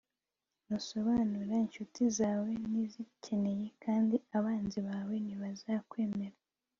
ntusobanure incuti zawe ntizikeneye, kandi abanzi bawe ntibazakwemera